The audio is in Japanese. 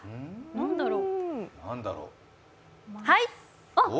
何だろう？